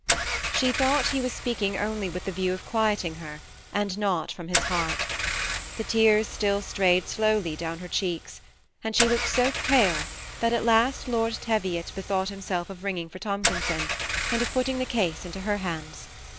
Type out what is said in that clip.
She thought he was speaking only with the view of quieting her, and not from his heart The tears stiU strayed slowly down her cheeks, and she THE SEin ATTAGHED COUPLE. 281 looked so pale, that at last Lord Teviot' bethought him self of ringing for Tomkinson, and of putting the case into. her hands.